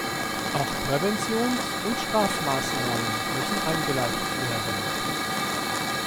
Auch Präventions- und Strafmaßnahmen müssen eingeleitet werden.